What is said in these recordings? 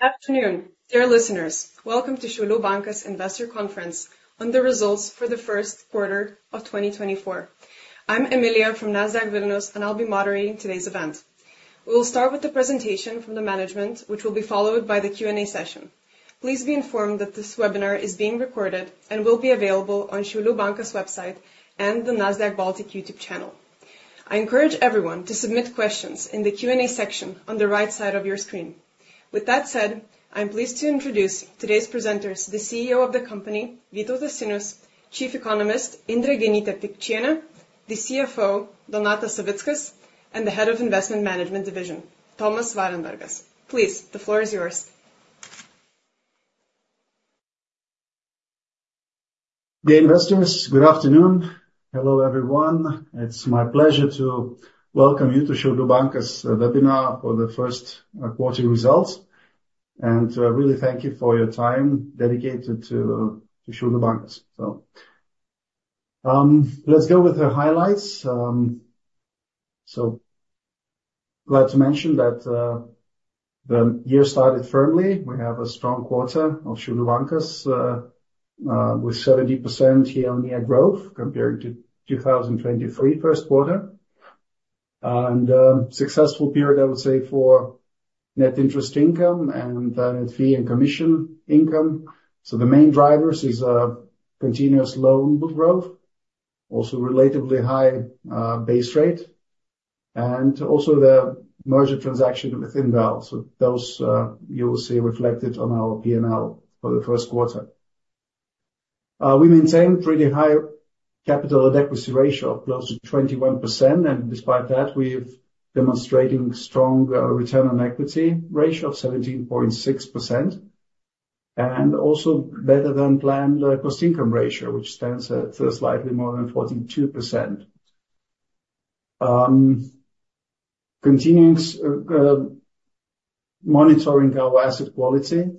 Good afternoon, dear listeners. Welcome to Šiaulių Bankas Investor Conference on the results for the first quarter of 2024. I'm Emilia from Nasdaq Vilnius, and I'll be moderating today's event. We'll start with the presentation from the management, which will be followed by the Q&A session. Please be informed that this webinar is being recorded and will be available on Šiaulių Bankas website and the Nasdaq Baltic YouTube channel. I encourage everyone to submit questions in the Q&A section on the right side of your screen. With that said, I'm pleased to introduce today's presenters, the CEO of the company, Vytautas Sinius, Chief Economist, Indrė Genytė-Pikčienė, the CFO, Donatas Savickas, and the Head of Investment Management Division, Tomas Varenbergas. Please, the floor is yours. Dear investors, good afternoon. Hello, everyone. It's my pleasure to welcome you to Šiaulių Bankas webinar for the first quarter results, and really thank you for your time dedicated to Šiaulių Bankas. So, let's go with the highlights. So glad to mention that the year started firmly. We have a strong quarter of Šiaulių Bankas with 70% year-on-year growth compared to 2023 first quarter. And successful period, I would say, for net interest income and net fee and commission income. So the main drivers is continuous loan book growth, also relatively high base rate, and also the merger transaction within the house. So those you will see reflected on our P&L for the first quarter. We maintain pretty high capital adequacy ratio, close to 21%, and despite that, we've demonstrating strong return on equity ratio of 17.6%, and also better than planned cost-income ratio, which stands at slightly more than 42%. Continuing monitoring our asset quality,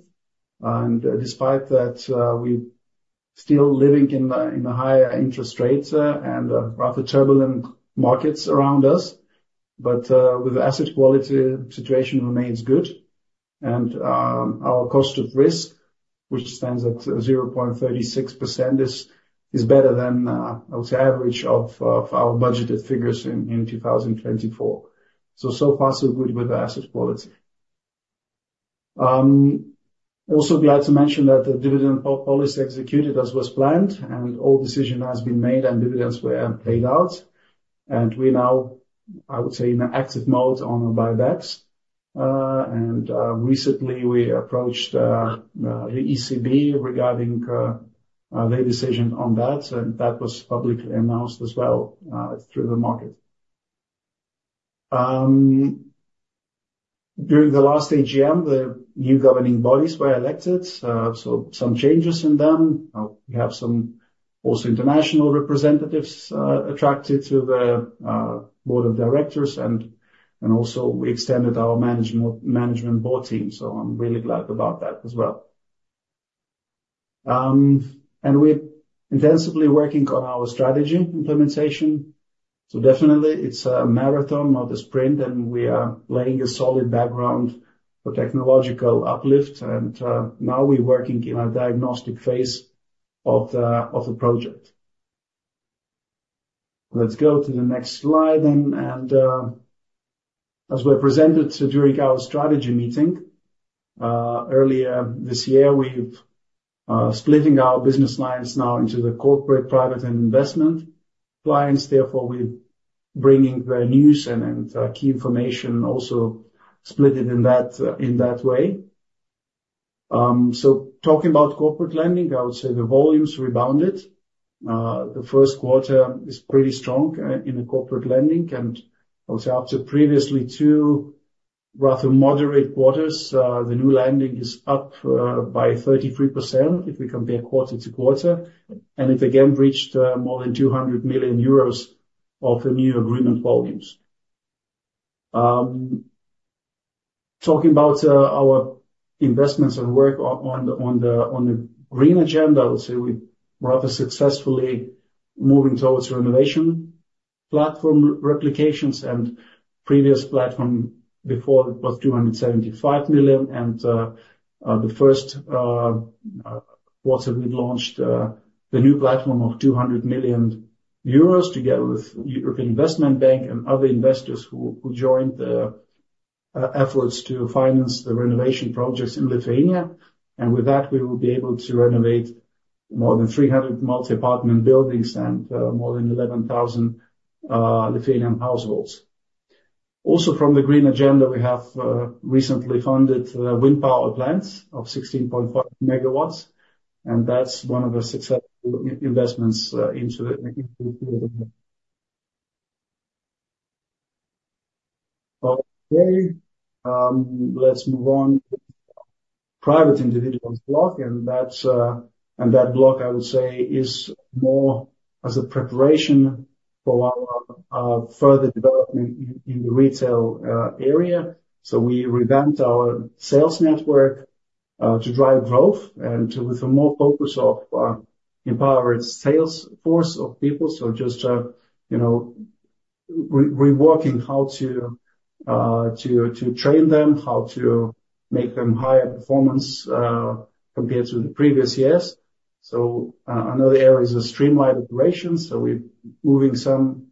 and despite that, we still living in the higher interest rates and rather turbulent markets around us. But with asset quality situation remains good. And our cost of risk, which stands at 0.36%, is better than I would say average of our budgeted figures in 2024. So far, so good with the asset quality. Also be glad to mention that the dividend policy executed as was planned, and all decision has been made and dividends were paid out. And we now, I would say, in an active mode on buybacks. And recently we approached the ECB regarding their decision on that, and that was publicly announced as well through the market. During the last AGM, the new governing bodies were elected, so some changes in them. We have some also international representatives attracted to the board of directors, and also we extended our management board team, so I'm really glad about that as well. And we're intensively working on our strategy implementation. So definitely it's a marathon, not a sprint, and we are laying a solid background for technological uplift and, now we're working in a diagnostic phase of the project. Let's go to the next slide. And as we presented during our strategy meeting earlier this year, we've splitting our business lines now into the corporate, private, and investment clients. Therefore, we're bringing the news and key information also split it in that way. So talking about corporate lending, I would say the volumes rebounded. The first quarter is pretty strong in the corporate lending, and I would say up to previously two rather moderate quarters, the new lending is up by 33% if we compare quarter to quarter, and it again reached more than 200 million euros of the new agreement volumes. Talking about our investments and work on the green agenda, I would say we're rather successfully moving towards renovation platform replications, and previous platform before it was 275 million. The first quarter, we've launched the new platform of 200 million euros together with European Investment Bank and other investors who joined the efforts to finance the renovation projects in Lithuania. With that, we will be able to renovate more than 300 multi-apartment buildings and more than 11,000 Lithuanian households. Also, from the green agenda, we have recently funded wind power plants of 16.5 megawatts, and that's one of the successful investments. Okay, let's move on. Private individuals block, and that block, I would say, is more as a preparation for our further development in the retail area. So we revamped our sales network to drive growth and with a more focus of empowering sales force of people. So just, you know... We working how to train them, how to make them higher performance compared to the previous years. So, another area is a streamlined operation, so we're moving some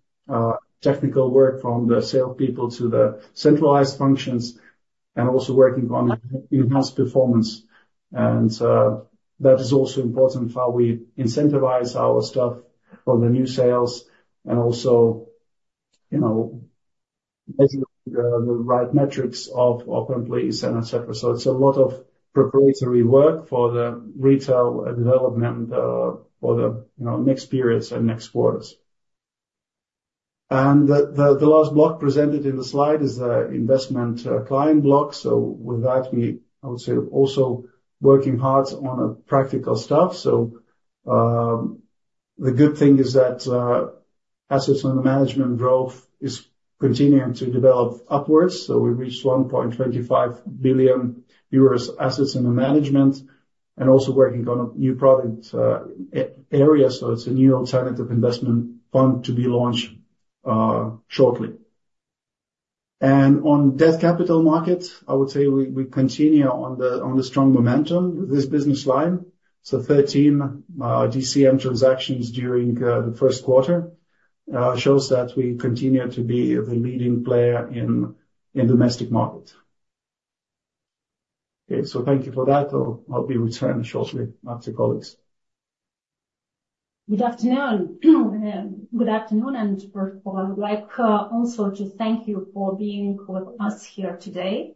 technical work from the salespeople to the centralized functions and also working on enhanced performance. That is also important how we incentivize our staff for the new sales and also, you know, making the right metrics of employees and et cetera. So it's a lot of preparatory work for the retail development, for the, you know, next periods and next quarters. And the last block presented in the slide is the investment client block. So with that, we, I would say, also working hard on practical stuff. So, the good thing is that, assets under management growth is continuing to develop upwards, so we reached 1.25 billion euros assets under management, and also working on a new product, area, so it's a new alternative investment fund to be launched shortly. And on debt capital markets, I would say we continue on the strong momentum with this business line. So 13 DCM transactions during the first quarter shows that we continue to be the leading player in domestic markets. Okay, so thank you for that. I'll be returning shortly to my colleagues. Good afternoon. Good afternoon, and first of all, I would like, also to thank you for being with us here today.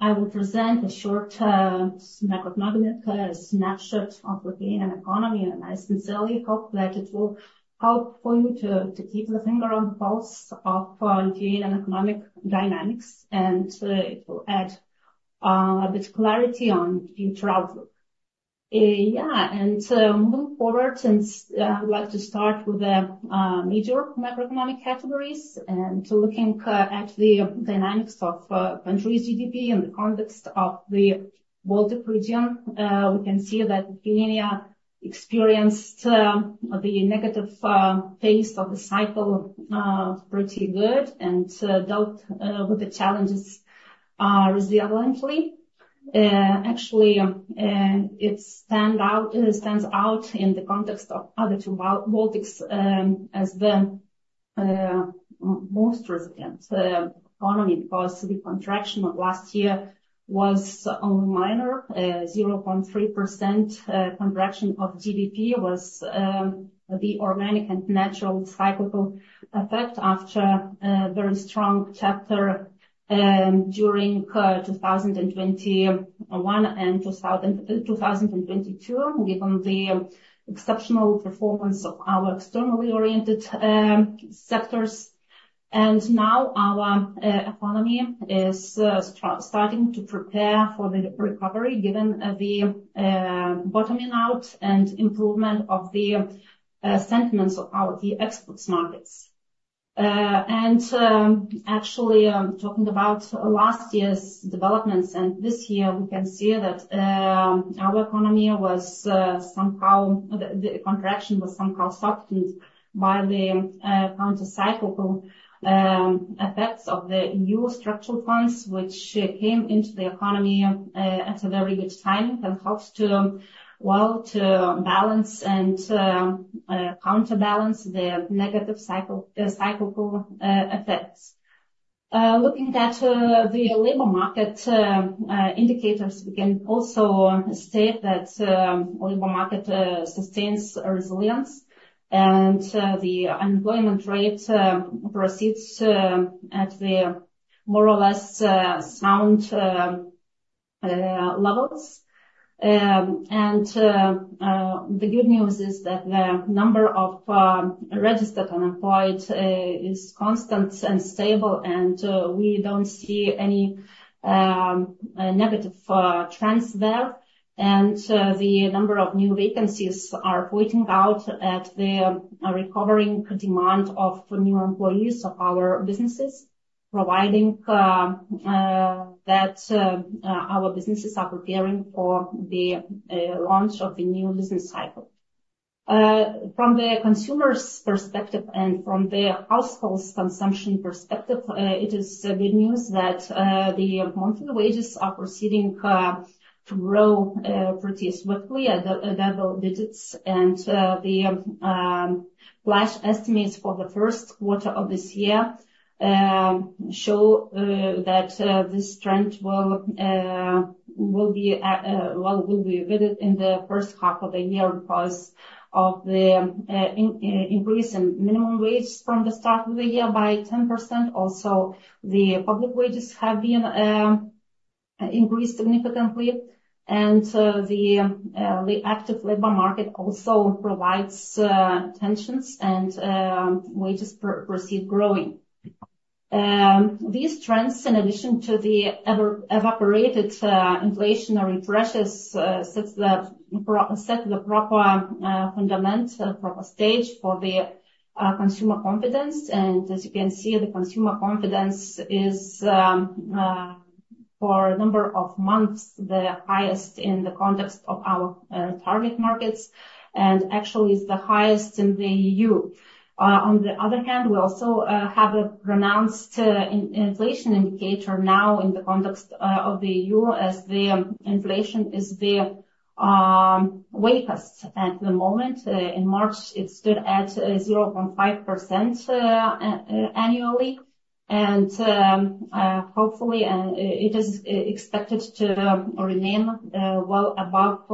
I will present a short, macroeconomic, snapshot of Lithuanian economy, and I sincerely hope that it will help for you to, to keep the finger on the pulse of, Lithuanian economic dynamics and, it will add, a bit of clarity on the outlook. Yeah, and, moving forward, since, I would like to start with the, major macroeconomic categories, and so looking, at the dynamics of, country's GDP in the context of the Baltic region, we can see that Lithuania experienced, the negative, phase of the cycle, pretty good and, dealt, with the challenges, resiliently. Actually, it stands out in the context of other two Baltics, as the most resilient economy because the contraction of last year was only minor, 0.3% contraction of GDP was the organic and natural cyclical effect after a very strong chapter during 2021 and 2022, given the exceptional performance of our externally oriented sectors. And now our economy is starting to prepare for the recovery, given the bottoming out and improvement of the sentiments of our export markets. And, actually, talking about last year's developments and this year, we can see that our economy was somehow. The contraction was somehow softened by the countercyclical effects of the new structural funds, which came into the economy at a very good time and helped to, well, to balance and counterbalance the negative cyclical effects. Looking at the labor market indicators, we can also state that labor market sustains resilience, and the unemployment rate proceeds at the more or less sound levels. And the good news is that the number of registered unemployed is constant and stable, and we don't see any negative trends there. The number of new vacancies are pointing out at the recovering demand of new employees of our businesses, providing our businesses are preparing for the launch of the new business cycle. From the consumer's perspective and from the household's consumption perspective, it is good news that the monthly wages are proceeding to grow pretty swiftly at double digits. The flash estimates for the first quarter of this year show that this trend will be with it in the first half of the year because of the increase in minimum wage from the start of the year by 10%. Also, the public wages have been increased significantly, and the active labor market also provides tensions, and wages proceed growing. These trends, in addition to the evaporated inflationary pressures, set the proper stage for the consumer confidence. And as you can see, the consumer confidence is for a number of months, the highest in the context of our target markets, and actually is the highest in the EU. On the other hand, we also have a pronounced inflation indicator now in the context of the EU, as the inflation is the weakest at the moment. In March, it stood at 0.5% annually. Hopefully, and it is expected to remain well above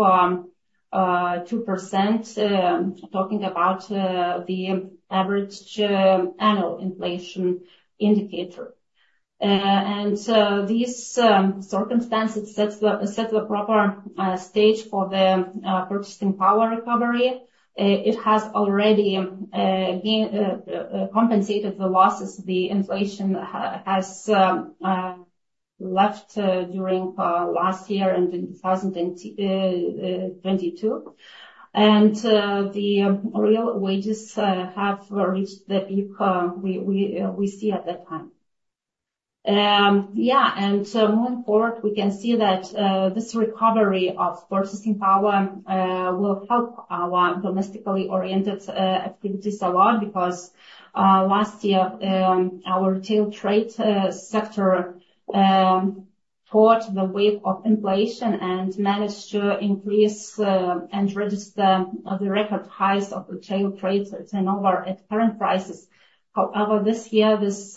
2%, talking about the average annual inflation indicator. And these circumstances set the proper stage for the purchasing power recovery. It has already been compensated the losses the inflation has left during last year and in 2022. And the real wages have reached the peak we see at that time. Yeah, and so moving forward, we can see that this recovery of purchasing power will help our domestically oriented activities a lot because last year our retail trade sector caught the wave of inflation and managed to increase and register the record highs of retail trade turnover at current prices. However, this year this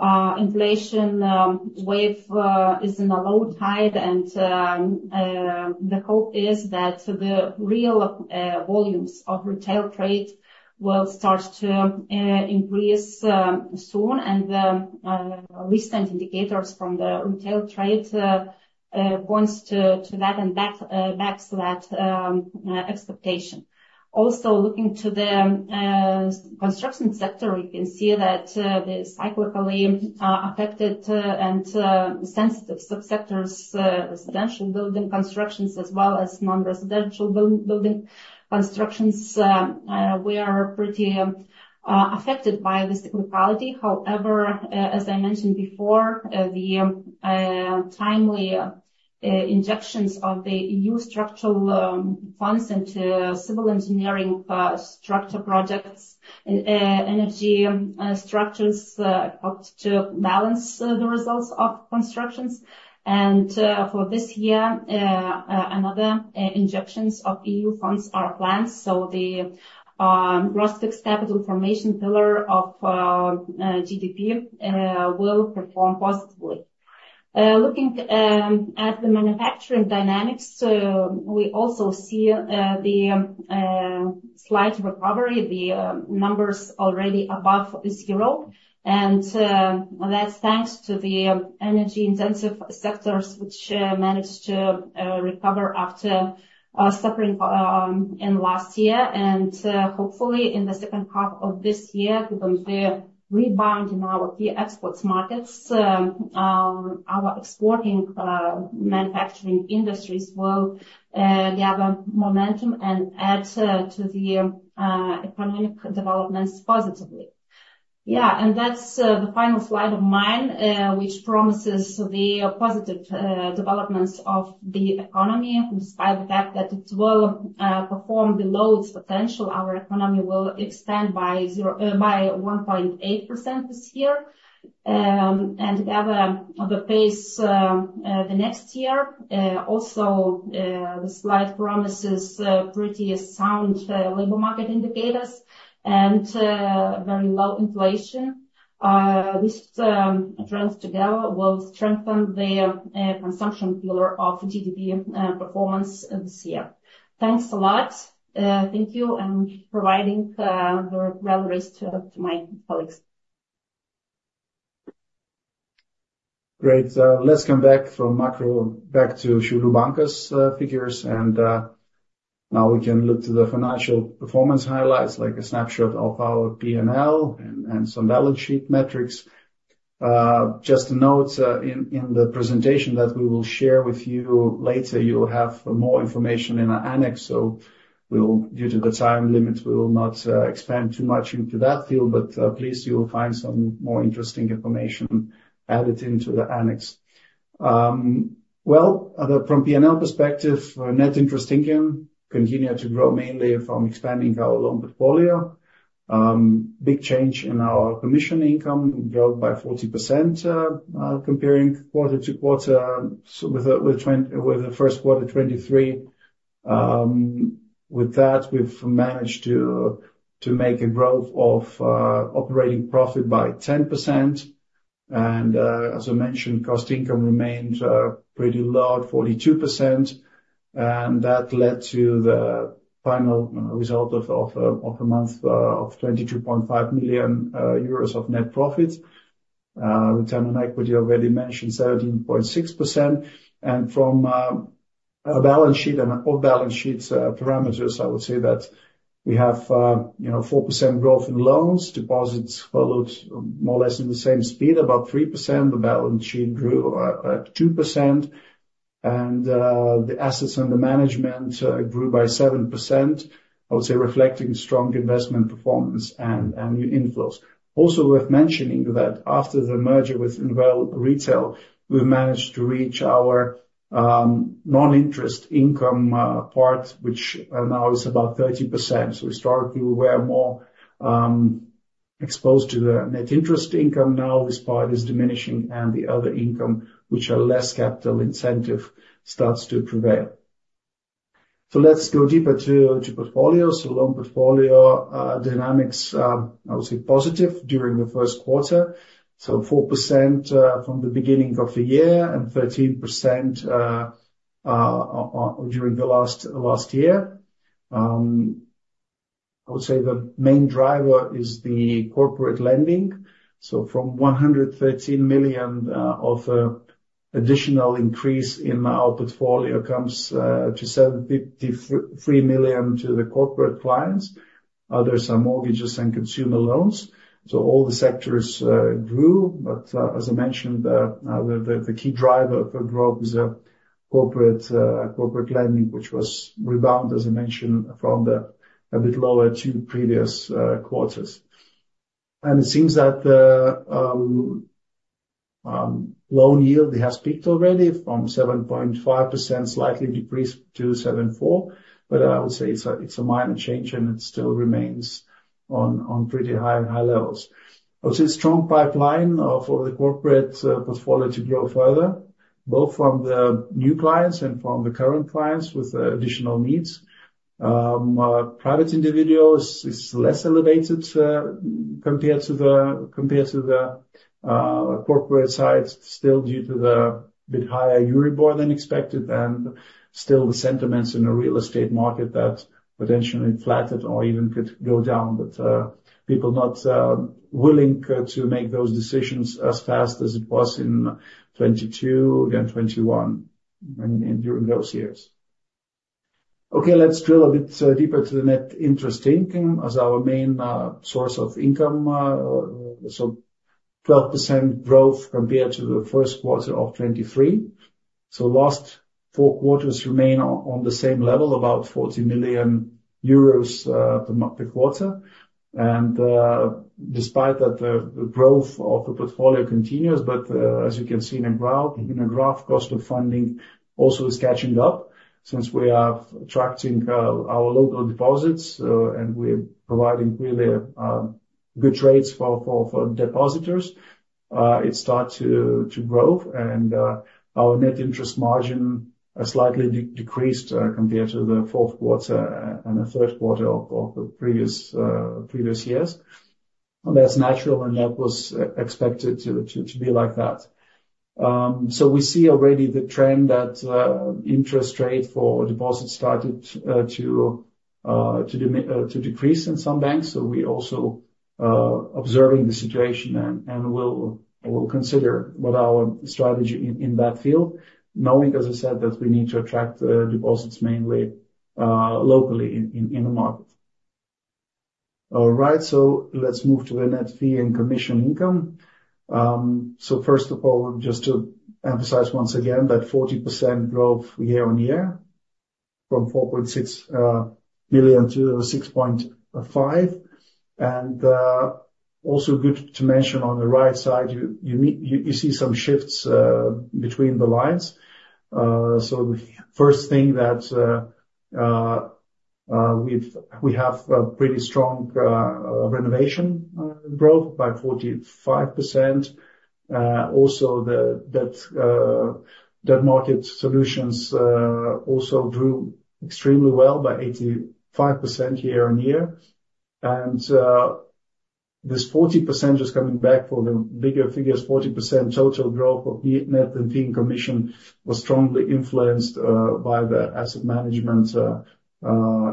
inflation wave is in a low tide, and the hope is that the real volumes of retail trade will start to increase soon. Recent indicators from the retail trade points to that and backs that expectation. Also, looking to the construction sector, we can see that the cyclically affected and sensitive subsectors, residential building constructions as well as non-residential building constructions, we are pretty affected by this cyclically. However, as I mentioned before, the timely injections of the EU structural funds into civil engineering structure projects, energy structures, helped to balance the results of constructions. For this year, another injections of EU funds are planned, so the gross fixed capital formation pillar of GDP will perform positively. Looking at the manufacturing dynamics, we also see the slight recovery, the numbers already above zero. That's thanks to the energy intensive sectors, which managed to recover after suffering in last year. Hopefully, in the second half of this year, given the rebound in our key exports markets, our exporting manufacturing industries will gather momentum and add to the economic developments positively. Yeah, and that's the final slide of mine, which promises the positive developments of the economy. Despite the fact that it will perform below its potential, our economy will expand by zero... by 1.8% this year, and gather the pace the next year. Also, the slide promises pretty sound labor market indicators and very low inflation. This trends together will strengthen the consumption pillar of the GDP performance this year. Thanks a lot. Thank you, and providing the rallies to my colleagues. Great. Let's come back from macro back to Šiaulių Bankas figures, and now we can look to the financial performance highlights, like a snapshot of our P&L and some balance sheet metrics. Just a note, in the presentation that we will share with you later, you will have more information in our annex, so, due to the time limits, we will not expand too much into that field, but at least you will find some more interesting information added into the annex. Well, from P&L perspective, net interest income continued to grow, mainly from expanding our loan portfolio. Big change in our commission income, grew by 40%, comparing quarter-over-quarter, so with the first quarter 2023. With that, we've managed to make a growth of operating profit by 10%. As I mentioned, cost income remained pretty low, 42%, and that led to the final result of an amount of 22.5 million euros of net profit. Return on equity, already mentioned, 17.6%. From a balance sheet and all balance sheet parameters, I would say that we have, you know, 4% growth in loans. Deposits followed more or less in the same speed, about 3%. The balance sheet grew at 2% and the assets under management grew by 7%, I would say, reflecting strong investment performance and new inflows. Also worth mentioning that after the merger with Invalda INVL, we've managed to reach our non-interest income part, which now is about 30%. Historically, we were more exposed to the net interest income. Now, this part is diminishing, and the other income, which are less capital intensive, starts to prevail. Let's go deeper to portfolio. Loan portfolio dynamics, I would say, positive during the first quarter, so 4% from the beginning of the year and 13% during the last year. I would say the main driver is the corporate lending. So from 113 million of additional increase in our portfolio comes to 73 million to the corporate clients. Others are mortgages and consumer loans. So all the sectors grew. But, as I mentioned, the key driver for growth is corporate lending, which was rebound, as I mentioned, from a bit lower two previous quarters. And it seems that the loan yield has peaked already from 7.5%, slightly decreased to 7.4%. But I would say it's a minor change, and it still remains on pretty high levels. I would say strong pipeline for the corporate portfolio to grow further, both from the new clients and from the current clients with additional needs. Private individuals is less elevated compared to the corporate side, still due to a bit higher Euribor than expected, and still the sentiments in the real estate market that potentially flattened or even could go down. But people not willing to make those decisions as fast as it was in 2022 and 2021, and during those years. Okay, let's drill a bit deeper to the net interest income as our main source of income. So 12% growth compared to the first quarter of 2023. So last four quarters remain on the same level, about 40 million euros per the quarter. And despite that the growth of the portfolio continues, but as you can see in the graph, cost of funding also is catching up. Since we are attracting our local deposits and we're providing really good rates for depositors, it start to grow. Our net interest margin has slightly decreased, compared to the fourth quarter and the first quarter of the previous years. That's natural, and that was expected to be like that. So we see already the trend that interest rate for deposits started to decrease in some banks. So we're also observing the situation and we'll consider what our strategy in that field, knowing, as I said, that we need to attract deposits mainly locally in the market. All right, so let's move to the net fee and commission income. So first of all, just to emphasize once again, that 40% growth year-on-year from 4.6 billion to 6.5 billion. Also good to mention on the right side, you see some shifts between the lines. So first thing that we have a pretty strong renovation growth by 45%. Also, debt market solutions also grew extremely well, by 85% year-on-year. And this 40% is coming back for the bigger figures, 40% total growth of net and fee and commission was strongly influenced by the asset management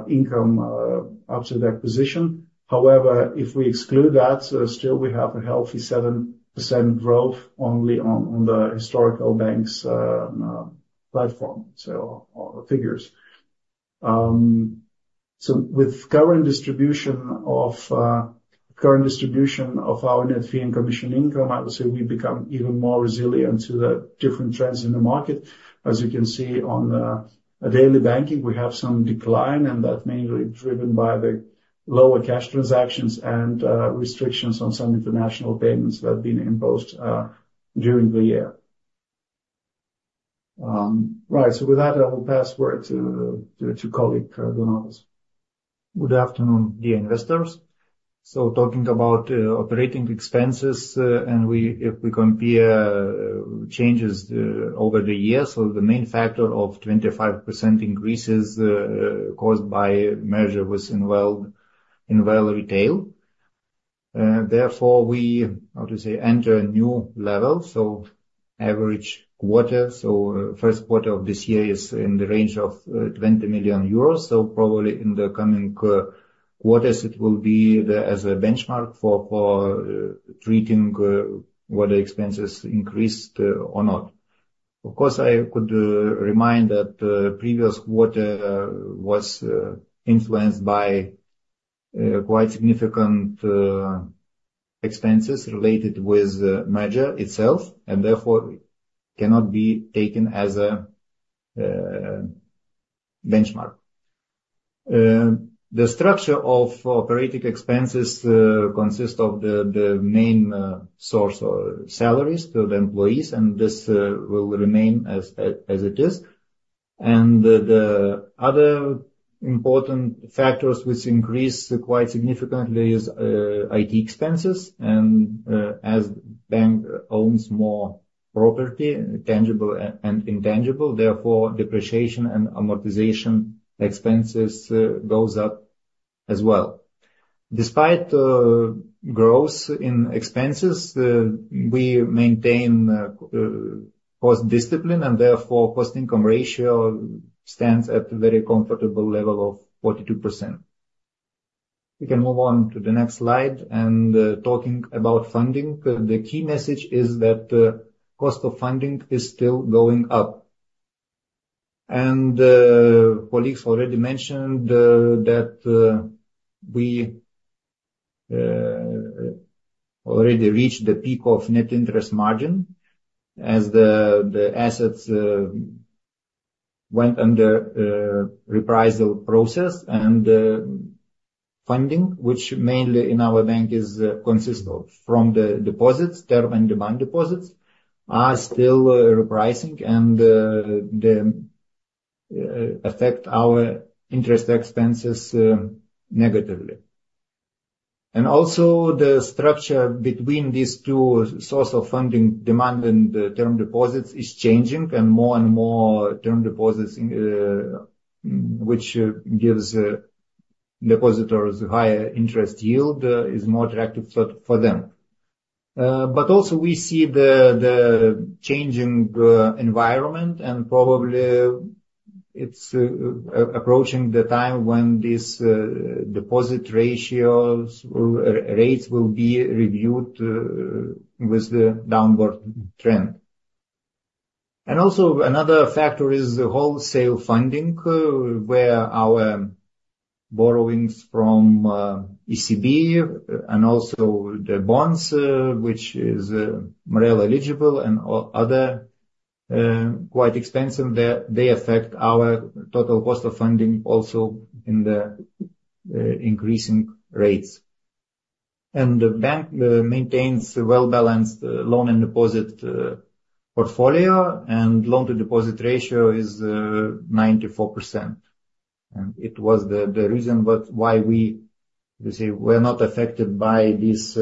income after the acquisition. However, if we exclude that, still we have a healthy 7% growth only on the historical bank's platform, so on the figures. So with current distribution of our net fee and commission income, I would say we become even more resilient to the different trends in the market. As you can see on daily banking, we have some decline, and that's mainly driven by the lower cash transactions and restrictions on some international payments that have been imposed during the year. Right. So with that, I will pass the word to colleague Donatas. Good afternoon, dear investors. Talking about operating expenses and if we compare changes over the years, so the main factor of 25% increases caused by merger with INVL, INVL Retail. Therefore, we how to say enter a new level, so average quarter. First quarter of this year is in the range of 20 million euros. Probably in the coming quarters, it will be as a benchmark for treating whether expenses increased or not. Of course, I could remind that previous quarter was influenced by quite significant expenses related with merger itself, and therefore cannot be taken as a benchmark. The structure of operating expenses consist of the main source or salaries to the employees, and this will remain as it is. The other important factors which increase quite significantly is IT expenses. As bank owns more property, tangible and intangible, therefore depreciation and amortization expenses goes up as well. Despite growth in expenses, we maintain cost discipline, and therefore, cost-income ratio stands at a very comfortable level of 42%. We can move on to the next slide. Talking about funding, the key message is that cost of funding is still going up. Colleagues already mentioned that we already reached the peak of net interest margin as the assets went under repricing process. Funding, which mainly in our bank is consist of from the deposits, term and demand deposits, are still repricing, and affect our interest expenses negatively. The structure between these two source of funding, demand and term deposits, is changing, and more and more term deposits, which gives depositors higher interest yield, is more attractive for them. But also we see the changing environment, and probably it's approaching the time when these deposit ratios, rates will be reviewed with the downward trend. Another factor is the wholesale funding, where our borrowings from ECB and also the bonds, which is more eligible and other quite expensive, they affect our total cost of funding also in the increasing rates. The bank maintains a well-balanced loan and deposit portfolio, and loan-to-deposit ratio is 94%. It was the reason but why we, you see, were not affected by these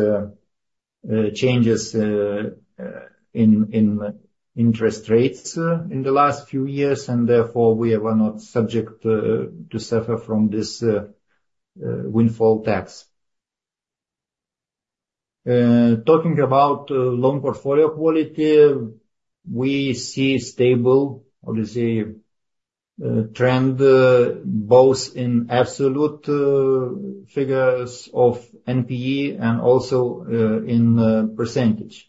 changes in interest rates in the last few years, and therefore we were not subject to suffer from this windfall tax. Talking about loan portfolio quality, we see stable, how to say, trend both in absolute figures of NPE and also in percentage.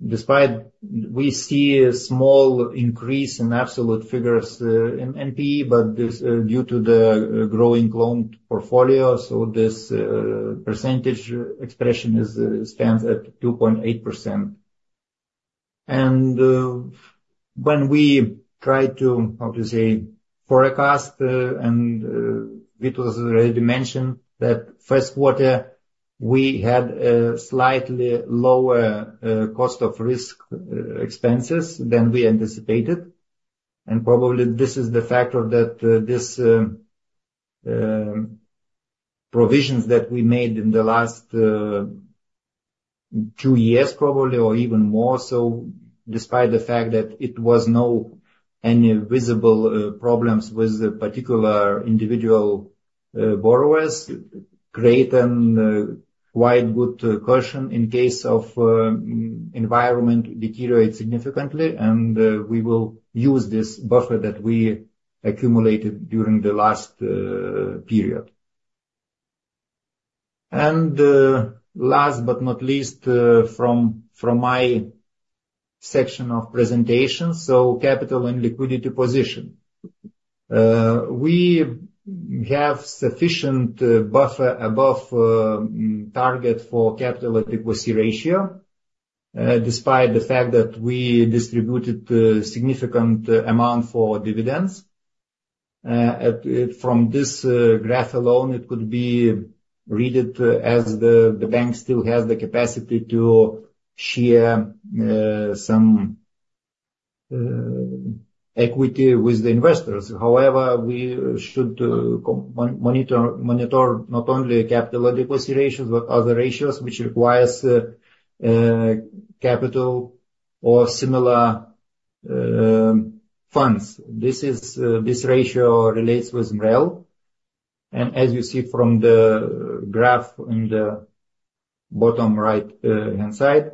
Despite, we see a small increase in absolute figures in NPE, but this due to the growing loan portfolio, so this percentage expression stands at 2.8%. When we try to, how to say, forecast, and it was already mentioned that first quarter we had a slightly lower cost of risk expenses than we anticipated. And probably this is the factor that this provisions that we made in the last two years, probably, or even more so, despite the fact that it was no any visible problems with the particular individual borrowers create a quite good caution in case of environment deteriorate significantly. And we will use this buffer that we accumulated during the last period. And last but not least from my section of presentation, so capital and liquidity position. We have sufficient buffer above target for capital adequacy ratio despite the fact that we distributed a significant amount for dividends. From this graph alone, it could be read as the bank still has the capacity to share some equity with the investors. However, we should monitor not only capital and equity ratios, but other ratios, which requires capital or similar funds. This ratio relates with MREL. As you see from the graph in the bottom right-hand side,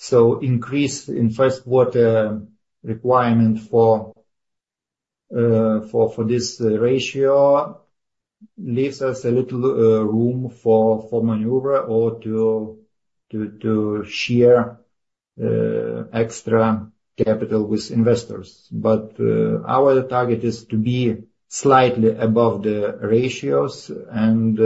so increase in first quarter requirement for this ratio leaves us a little room for maneuver or to share extra capital with investors. Our target is to be slightly above the ratios and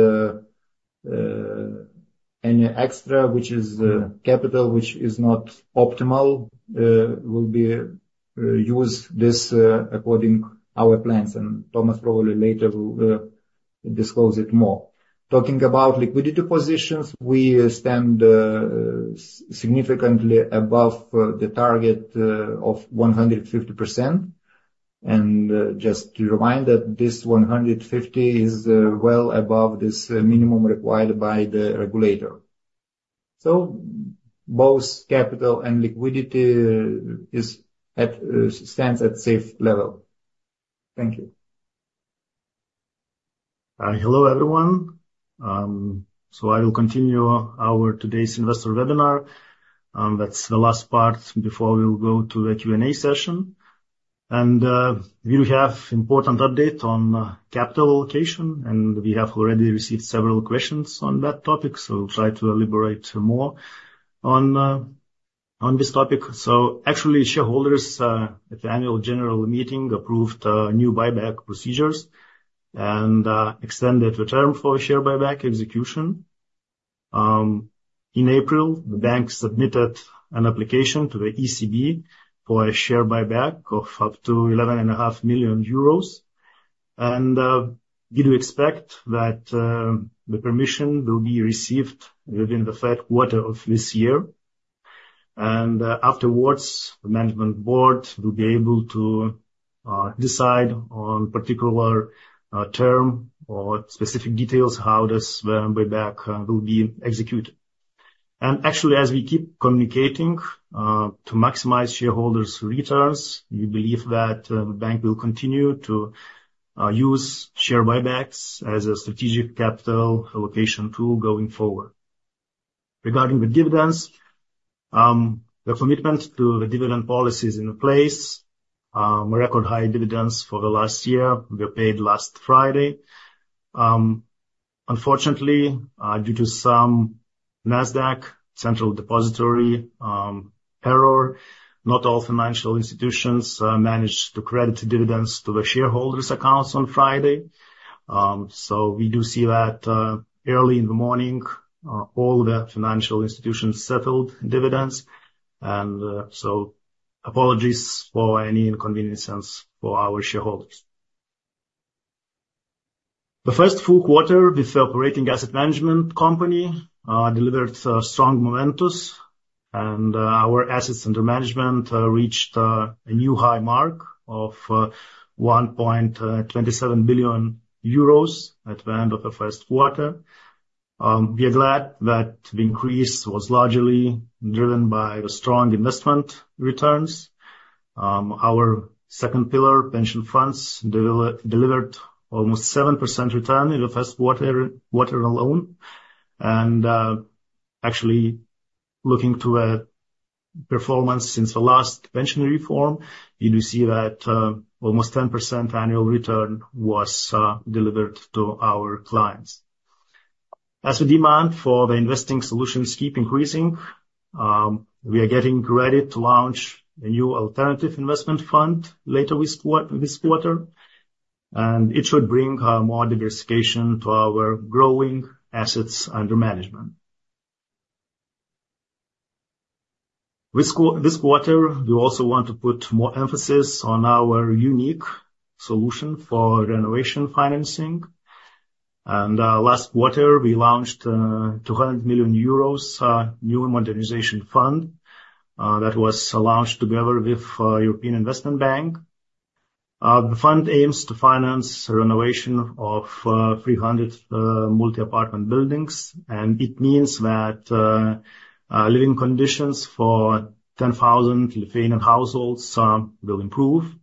any extra, which is capital, which is not optimal, will be used. This according to our plans, and Tomas probably later will disclose it more. Talking about liquidity positions, we stand significantly above the target of 150%. Just to remind that this 150% is well above the minimum required by the regulator. So both capital and liquidity stands at safe level. Thank you. Hello, everyone. I will continue our today's investor webinar. That's the last part before we'll go to the Q&A session. We will have important update on capital allocation, and we have already received several questions on that topic, so try to elaborate more on on this topic. Actually, shareholders at the annual general meeting approved new buyback procedures and extended the term for share buyback execution. In April, the bank submitted an application to the ECB for a share buyback of up to 11.5 million euros. We do expect that the permission will be received within the third quarter of this year. Afterwards, the management board will be able to decide on particular term or specific details, how this buyback will be executed. Actually, as we keep communicating to maximize shareholders' returns, we believe that the bank will continue to use share buybacks as a strategic capital allocation tool going forward. Regarding the dividends, the commitment to the dividend policy is in place. Record high dividends for the last year were paid last Friday. Unfortunately, due to some Nasdaq Central Depository error, not all financial institutions managed to credit dividends to the shareholders' accounts on Friday. So we do see that early in the morning all the financial institutions settled dividends, and so apologies for any inconveniences for our shareholders. The first full quarter with the operating asset management company delivered strong momentum, and our assets under management reached a new high mark of 1.27 billion euros at the end of the first quarter. We are glad that the increase was largely driven by the strong investment returns. Our second pillar, pension funds, delivered almost 7% return in the first quarter alone. And actually, looking to a performance since the last pension reform, we do see that almost 10% annual return was delivered to our clients. As the demand for the investing solutions keep increasing, we are getting ready to launch a new alternative investment fund later this quarter, and it should bring more diversification to our growing assets under management. This quarter, we also want to put more emphasis on our unique solution for renovation financing. And last quarter, we launched 200 million euros new modernization fund that was launched together with European Investment Bank. The fund aims to finance renovation of 300 multi-apartment buildings, and it means that living conditions for 10,000 Lithuanian households will improve.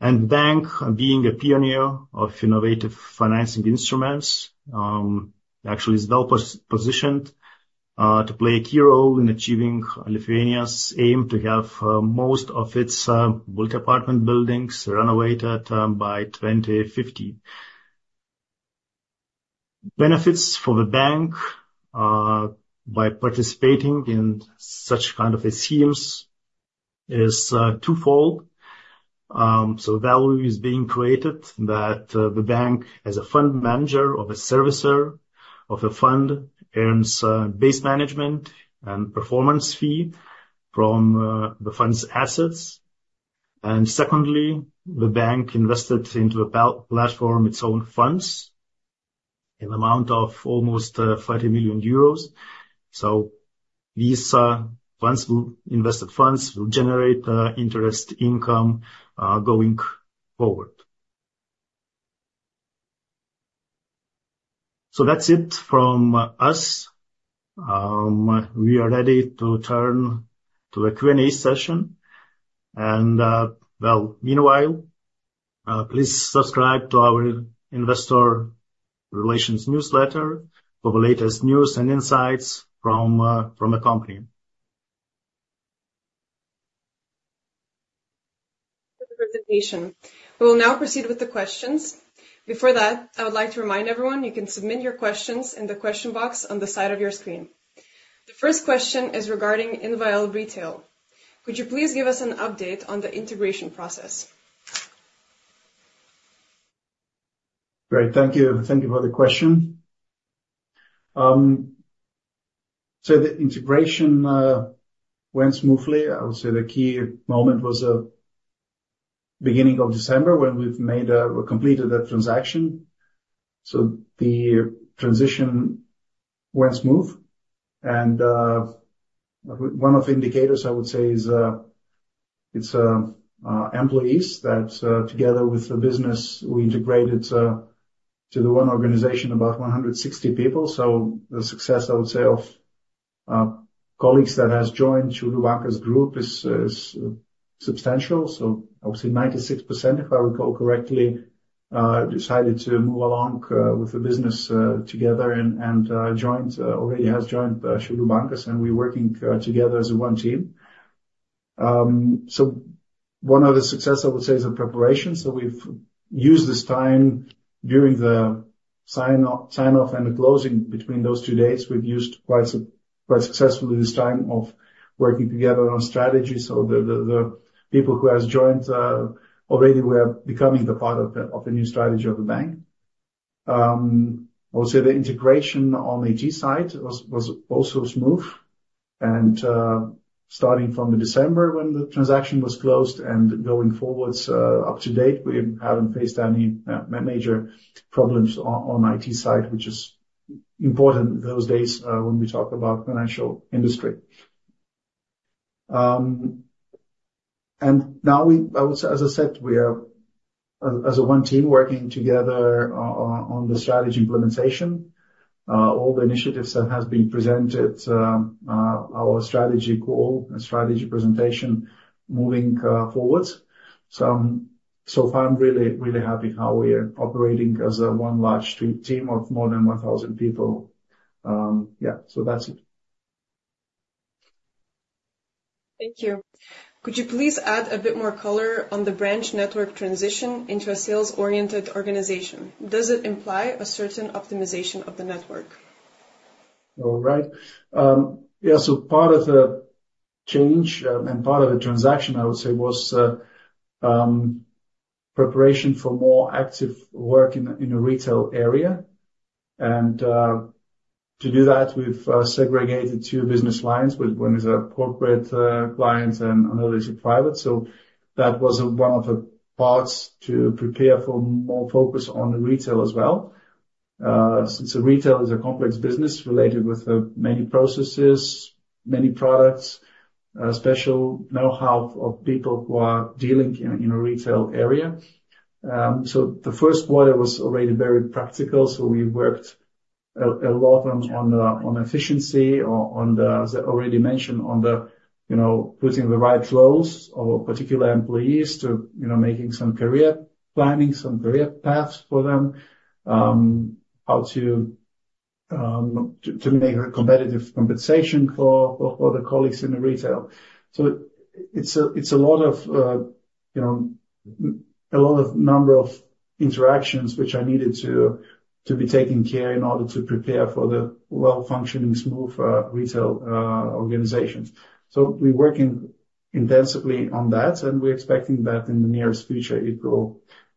And the bank, being a pioneer of innovative financing instruments, actually is well positioned to play a key role in achieving Lithuania's aim to have most of its multi-apartment buildings renovated by 2050. Benefits for the bank by participating in such kind of a CMBS is twofold. So value is being created that the bank, as a fund manager of a servicer of a fund, earns base management and performance fee from the fund's assets. And secondly, the bank invested into the platform its own funds in the amount of almost EUR 30 million. Invested funds will generate interest income going forward. So that's it from us. We are ready to turn to a Q&A session. And well, meanwhile, please subscribe to our investor relations newsletter for the latest news and insights from the company. We will now proceed with the questions. Before that, I would like to remind everyone, you can submit your questions in the question box on the side of your screen. The first question is regarding INVL Retail. Could you please give us an update on the integration process? Great. Thank you. Thank you for the question. So the integration went smoothly. I would say the key moment was beginning of December when we've made or completed the transaction. So the transition went smooth, and one of the indicators, I would say, is it's employees that together with the business, we integrated to the one organization about 160 people. So the success, I would say, of colleagues that has joined Šiaulių Bankas group is substantial. So obviously 96%, if I recall correctly, decided to move along with the business together and joined already has joined Šiaulių Bankas, and we're working together as one team. So one other success, I would say, is the preparation. So we've used this time during the sign-off and the closing between those two dates, we've used quite, quite successfully, this time of working together on strategy. So the people who has joined already were becoming the part of the new strategy of the bank. I would say the integration on the IT side was also smooth, and starting from the December when the transaction was closed and going forwards up to date, we haven't faced any major problems on IT side, which is important those days when we talk about financial industry. And now I would say, as I said, we are as a one team, working together on the strategy implementation. All the initiatives that has been presented, our strategy call and strategy presentation moving forward. So, so far, I'm really, really happy how we are operating as one large team of more than 1,000 people. Yeah, so that's it. Thank you. Could you please add a bit more color on the branch network transition into a sales-oriented organization? Does it imply a certain optimization of the network? All right. Yeah, so part of the change and part of the transaction, I would say, was preparation for more active work in a retail area. And to do that, we've segregated two business lines, with one is a corporate client and another is a private. So that was one of the parts to prepare for more focus on the retail as well. Since the retail is a complex business related with many processes, many products, special know-how of people who are dealing in a retail area. So the first quarter was already very practical, so we worked a lot on efficiency or on the, as I already mentioned, on the you know, putting the right roles of particular employees to you know, making some career planning, some career paths for them. How to make a competitive compensation for the colleagues in the retail. So it's a lot of, you know, a lot of number of interactions which are needed to be taken care in order to prepare for the well-functioning, smooth retail organizations. So we're working intensively on that, and we're expecting that in the nearest future, it will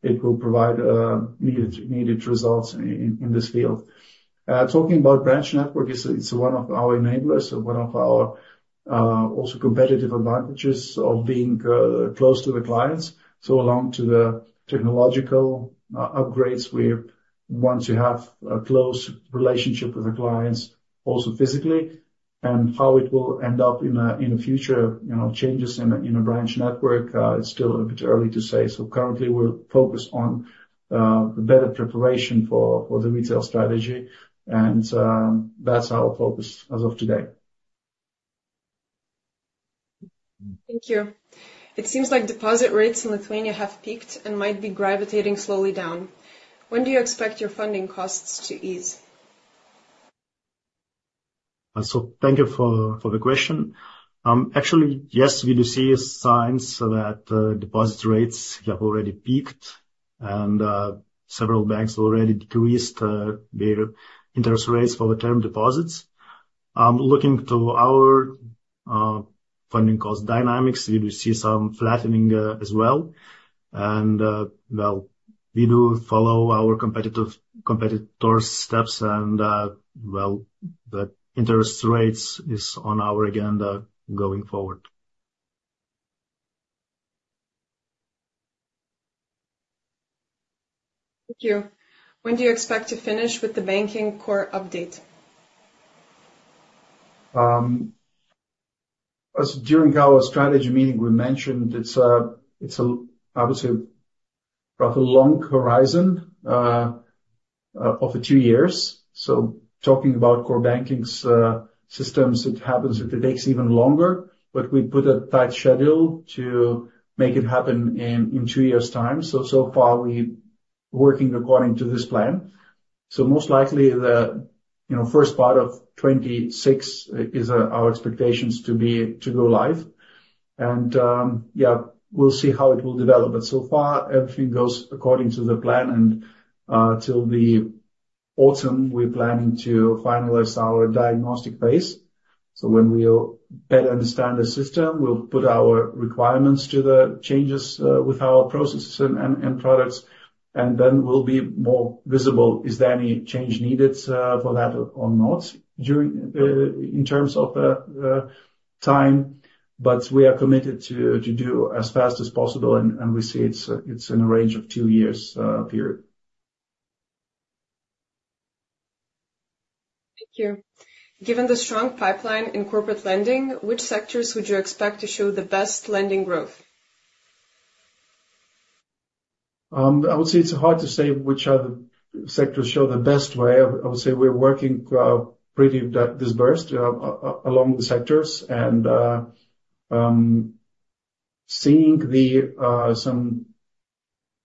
provide needed results in this field. Talking about branch network, it's one of our enablers and one of our also competitive advantages of being close to the clients. So along to the technological upgrades, we want to have a close relationship with the clients also physically, and how it will end up in a future, you know, changes in a branch network, it's still a bit early to say. So currently, we're focused on the better preparation for the retail strategy, and that's our focus as of today. Thank you. It seems like deposit rates in Lithuania have peaked and might be gravitating slowly down. When do you expect your funding costs to ease? So thank you for, for the question. Actually, yes, we do see signs that deposit rates have already peaked, and several banks already decreased their interest rates for the term deposits. Looking to our funding cost dynamics, we do see some flattening as well. And well, we do follow our competitors' steps and well, the interest rates is on our agenda going forward. Thank you. When do you expect to finish with the banking core update? As during our strategy meeting, we mentioned, it's obviously a rather long horizon of two years. So talking about core banking's systems, it takes even longer, but we put a tight schedule to make it happen in two years' time. So far we've working according to this plan. So most likely, the you know first part of 2026 is our expectations to be to go live. And yeah, we'll see how it will develop. But so far, everything goes according to the plan, and till the autumn, we're planning to finalize our diagnostic base. So when we'll better understand the system, we'll put our requirements to the changes with our processes and products, and then we'll be more visible. Is there any change needed for that or not during in terms of time? But we are committed to do as fast as possible, and we see it's in a range of 2 years period. Thank you. Given the strong pipeline in corporate lending, which sectors would you expect to show the best lending growth? I would say it's hard to say which other sectors show the best way. I would say we're working pretty dispersed along the sectors and seeing some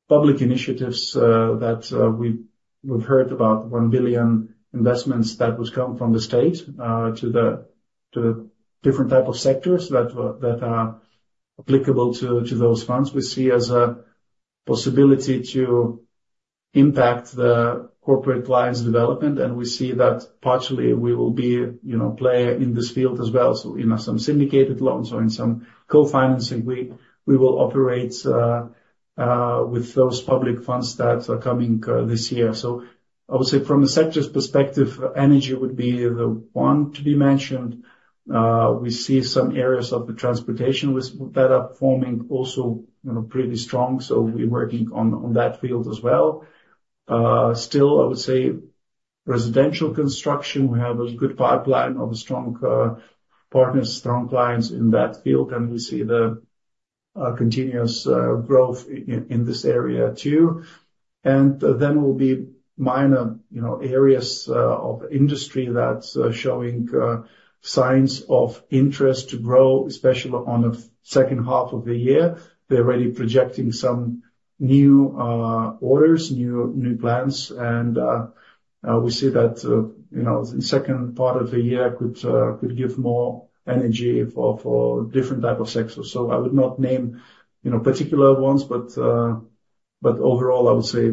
public initiatives that we've heard about 1 billion investments that would come from the state to the different type of sectors that are applicable to those funds. We see as a possibility to impact the corporate clients' development, and we see that partially we will be, you know, player in this field as well. So in some syndicated loans or in some co-financing, we will operate with those public funds that are coming this year. So I would say from a sectors perspective, energy would be the one to be mentioned. We see some areas of the transportation with better performing also, you know, pretty strong, so we're working on that field as well. Still, I would say residential construction, we have a good pipeline of strong partners, strong clients in that field, and we see the continuous growth in this area too. And then there will be minor, you know, areas of industry that's showing signs of interest to grow, especially on the second half of the year. They're already projecting some new orders, new plans, and we see that, you know, the second part of the year could give more energy for different type of sectors. So I would not name, you know, particular ones, but overall, I would say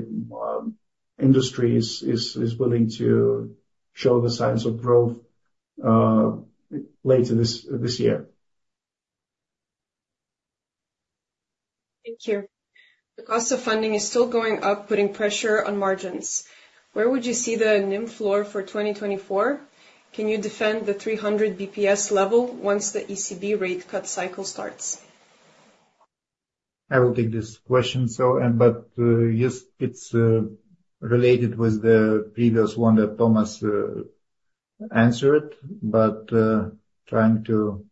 industry is willing to show the signs of growth later this year. Thank you. The cost of funding is still going up, putting pressure on margins. Where would you see the NIM floor for 2024? Can you defend the 300 BPS level once the ECB rate cut cycle starts? I will take this question. Yes, it's related with the previous one that Tomas answered, but trying to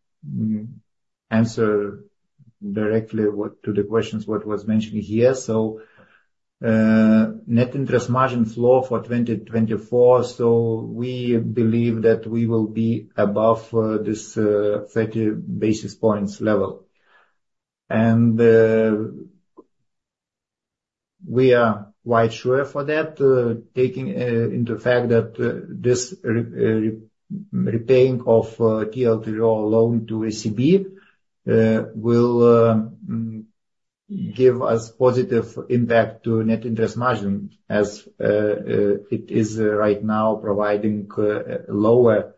answer directly what to the questions what was mentioned here. Net interest margin flow for 2024, we believe that we will be above this 30 basis points level. We are quite sure for that, taking into account that this repaying of TLTRO loan to ECB will give us positive impact to net interest margin, as it is right now providing lower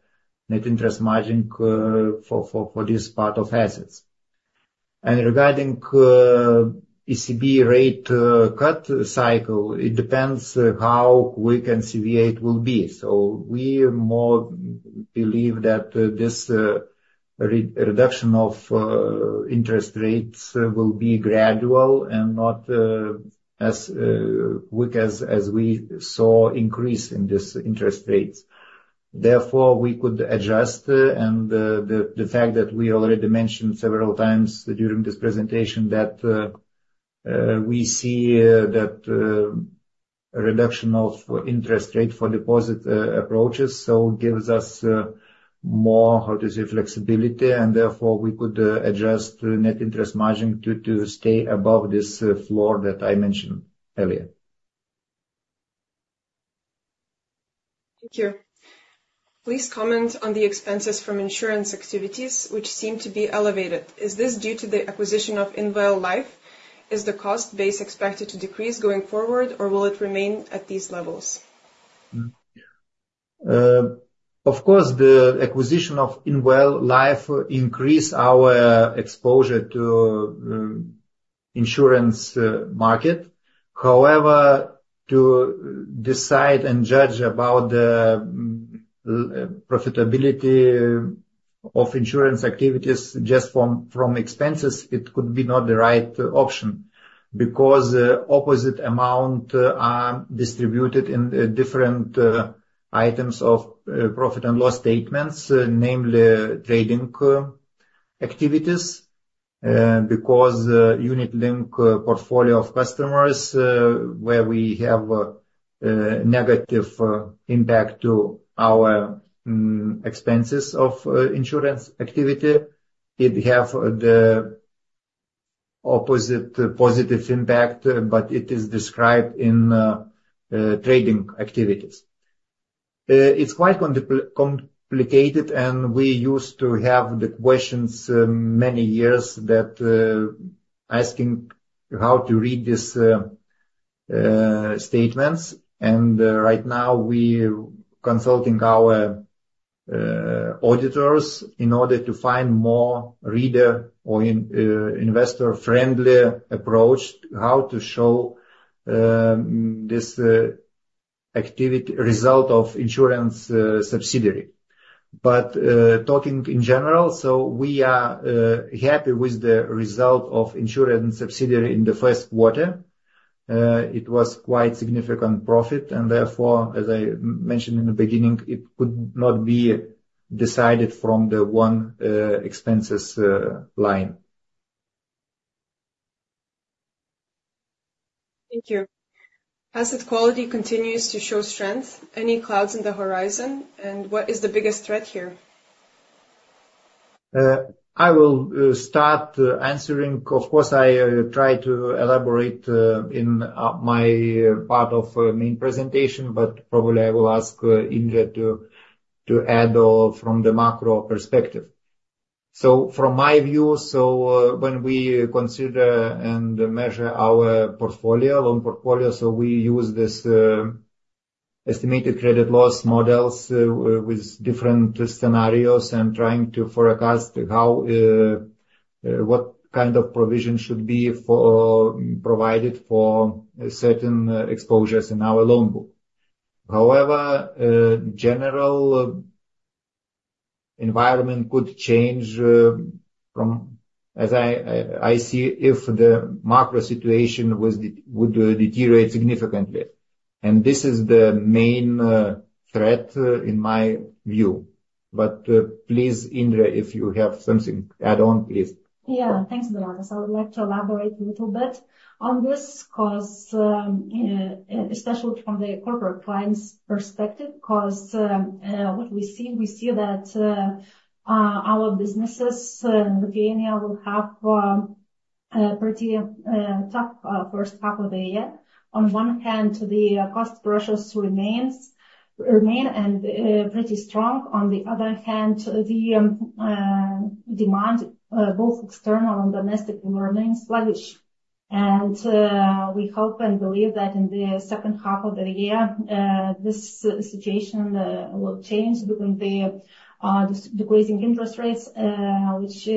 net interest margin for this part of assets. Regarding ECB rate cut cycle, it depends how weak and severe it will be. So we more believe that this reduction of interest rates will be gradual and not as weak as we saw increase in this interest rates. Therefore, we could adjust, and the fact that we already mentioned several times during this presentation that we see that a reduction of interest rate for deposit approaches, so gives us more, how to say, flexibility, and therefore, we could adjust the net interest margin to stay above this floor that I mentioned earlier. Thank you. Please comment on the expenses from insurance activities, which seem to be elevated. Is this due to the acquisition of INVL Life? Is the cost base expected to decrease going forward, or will it remain at these levels? Of course, the acquisition of INVL Life increases our exposure to insurance market. However, to decide and judge about the profitability of insurance activities just from expenses, it could be not the right option, because opposite amount are distributed in different items of profit and loss statements, namely trading activities. Because unit-linked portfolio of customers where we have negative impact to our expenses of insurance activity, it have the opposite positive impact, but it is described in trading activities. It's quite complicated, and we used to have the questions many years that asking how to read these statements. Right now we're consulting our auditors in order to find more reader or investor friendly approach, how to show this activity result of insurance subsidiary. But talking in general, so we are happy with the result of insurance subsidiary in the first quarter. It was quite significant profit, and therefore, as I mentioned in the beginning, it could not be decided from the one expenses line. Thank you. Asset quality continues to show strength. Any clouds in the horizon? And what is the biggest threat here? I will start answering. Of course, I try to elaborate in my part of main presentation, but probably I will ask Indrė to add all from the macro perspective. So from my view, when we consider and measure our portfolio, loan portfolio, so we use this estimated credit loss models with different scenarios and trying to forecast how what kind of provision should be provided for certain exposures in our loan book. However, general environment could change from, as I see, if the macro situation would deteriorate significantly. And this is the main threat in my view. But please, Indrė, if you have something, add on, please. Yeah. Thanks, Donatas. I would like to elaborate a little bit on this because, especially from the corporate clients' perspective, because what we see, we see that our businesses in Lithuania will have a pretty tough first half of the year. On one hand, the cost pressures remain pretty strong. On the other hand, the demand, both external and domestic, remains sluggish. And we hope and believe that in the second half of the year, this situation will change within the decreasing interest rates, which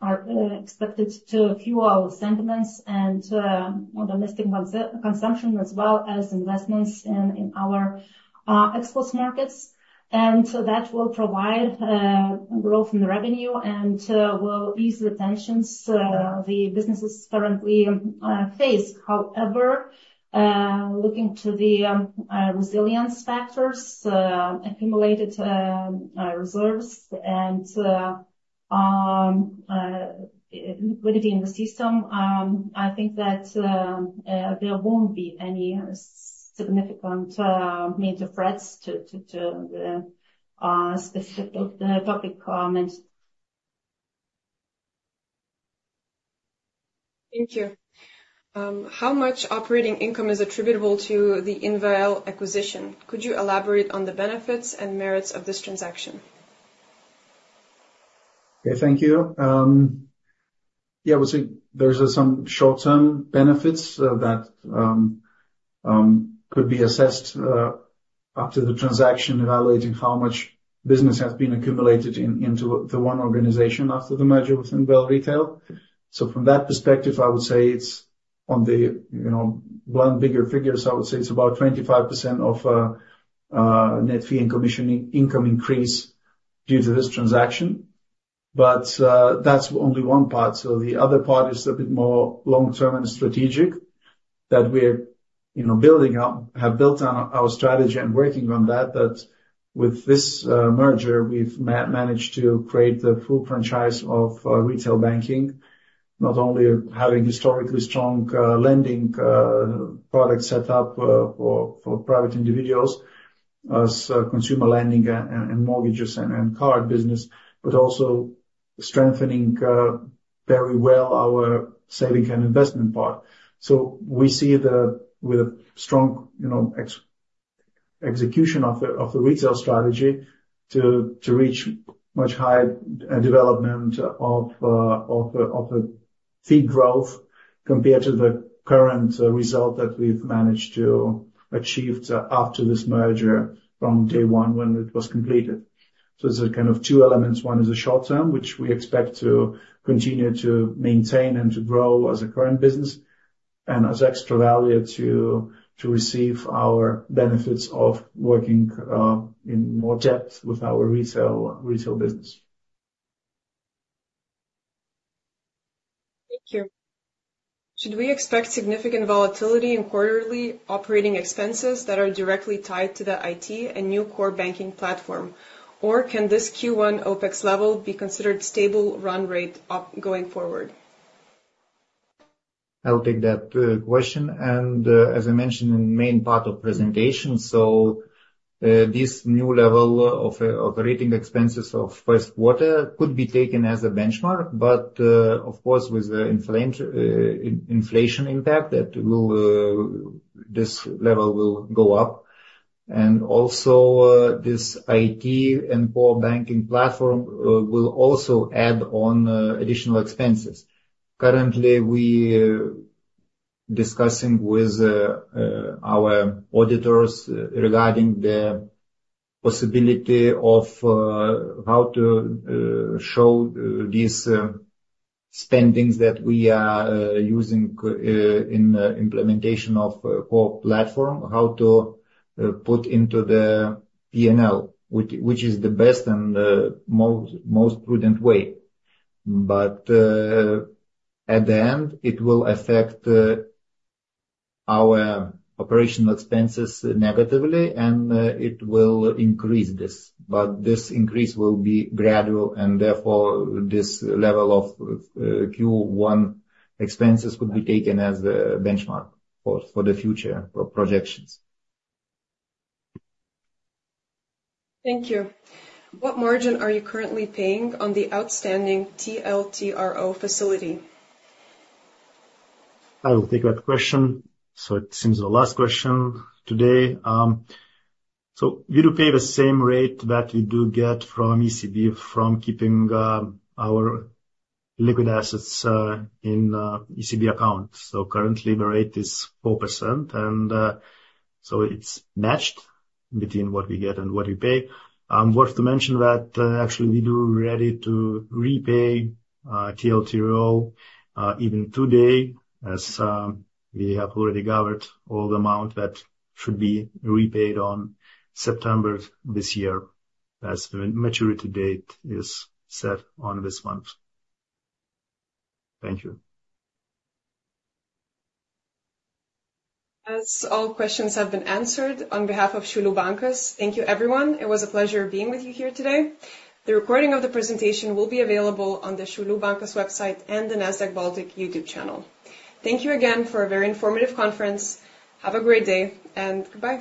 are expected to fuel our sentiments and more domestic consumption, as well as investments in our exposed markets. That will provide growth in the revenue and will ease the tensions the businesses currently face. However, looking to the resilience factors, accumulated reserves and liquidity in the system, I think that there won't be any significant major threats to the public comments. Thank you. How much operating income is attributable to the INVL acquisition? Could you elaborate on the benefits and merits of this transaction? Yeah, thank you. Yeah, I would say there's some short-term benefits that could be assessed after the transaction, evaluating how much business has been accumulated into the one organization after the merger with Invalda Retail. So from that perspective, I would say it's on the, you know, one bigger figure, so I would say it's about 25% of net fee and commission income increase due to this transaction. But that's only one part. So the other part is a bit more long-term and strategic, that we're, you know, building up, have built on our strategy and working on that, that with this merger, we've managed to create the full franchise of retail banking, not only having historically strong lending product set up for private individuals as consumer lending and mortgages and card business, but also strengthening very well our saving and investment part. So we see the, with strong, you know, execution of the retail strategy to reach much higher development of a fee growth compared to the current result that we've managed to achieve after this merger from day one when it was completed. So there's kind of two elements. One is the short term, which we expect to continue to maintain and to grow as a current business, and as extra value to receive our benefits of working in more depth with our retail business. Thank you. Should we expect significant volatility in quarterly operating expenses that are directly tied to the IT and new core banking platform, or can this Q1 OpEx level be considered stable run rate going forward? I'll take that question. And, as I mentioned in the main part of presentation, so, this new level of operating expenses of first quarter could be taken as a benchmark, but, of course, with the inflation impact, that will, this level will go up. And also, this IT and core banking platform will also add on additional expenses. Currently, we discussing with our auditors regarding the possibility of how to show these spendings that we are using in the implementation of core platform, how to put into the P&L, which is the best and most prudent way. But, at the end, it will affect our operational expenses negatively, and it will increase this. But this increase will be gradual, and therefore, this level of Q1 expenses could be taken as the benchmark for the future projections. Thank you. What margin are you currently paying on the outstanding TLTRO facility? I will take that question. So it seems the last question today. So we do pay the same rate that we do get from ECB, from keeping our liquid assets in ECB account. So currently, the rate is 4%, and so it's matched between what we get and what we pay. Worth to mention that actually, we do ready to repay TLTRO even today, as we have already gathered all the amount that should be repaid on September this year, as the maturity date is set on this month. Thank you. As all questions have been answered, on behalf of Šiaulių Bankas, thank you, everyone. It was a pleasure being with you here today. The recording of the presentation will be available on the Šiaulių Bankas website and the Nasdaq Baltic YouTube channel. Thank you again for a very informative conference. Have a great day, and goodbye.